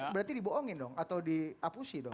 berarti dibohongin dong atau diapusi dong